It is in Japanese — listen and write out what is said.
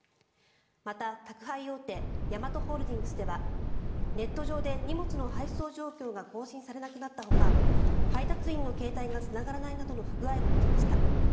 また、宅配大手ヤマトホールディングスではネット上で荷物の配送状況が更新されなくなったほか配達員の携帯がつながらないなどの不具合も起きました。